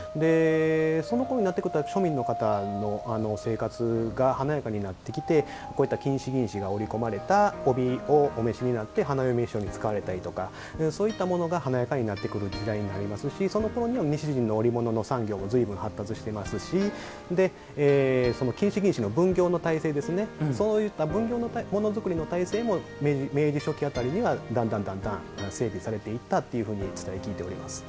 そのころになってくると庶民の方の生活が華やかになってきてこういった金糸、銀糸が織り込まれた帯をお召しになって花嫁衣装に使われたりとかそういったものが、華やかになってくる時代になりますしそのころには西陣の織物の産業もずいぶん発達してますし金糸、銀糸の分業の体制ですねそういった分業のものづくりも明治初期辺りには、だんだん整備されていったというふうに伝え聞いております。